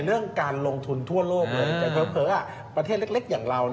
เรื่องการลงทุนทั่วโลกเลยแต่เผลอประเทศเล็กอย่างเรา